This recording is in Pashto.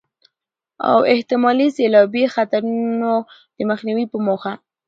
او احتمالي سيلابي خطرونو د مخنيوي په موخه